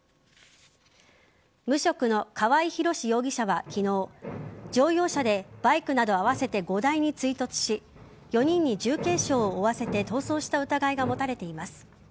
無職の川合広司容疑者は昨日乗用車でバイクなど合わせて５台に追突し４人に重軽傷を負わせて逃走した疑いが持たれています。